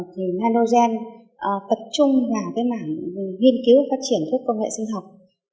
thì nanogen tập trung vào cái mảng nghiên cứu phát triển các công nghệ sinh học